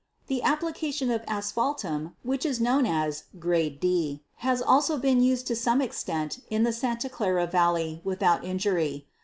The application of asphaltum, what is known as "grade D," has been also used to some extent in the Santa Clara valley without injury.